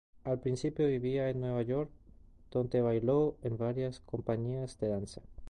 Al principio vivía en Nueva York, donde bailó en varias compañías de danza.